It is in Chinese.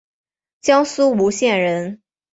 江苏吴县人。